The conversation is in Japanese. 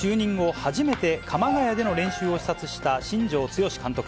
初めて鎌ケ谷での練習を視察した新庄剛志監督。